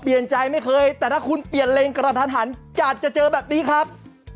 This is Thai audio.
ใจไม่เคยแต่ถ้าคุณเปลี่ยนเลนกระทันหันจะเจอแบบนี้ครับ